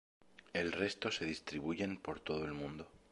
El resto se distribuyen por todo el mundo.